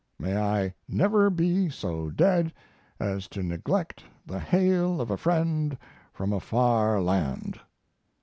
May I never be so dead as to neglect the hail of a friend from a far land."